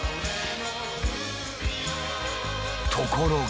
ところが。